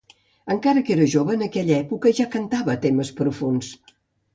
Encara que era jove, en aquella època ja cantava temes profunds.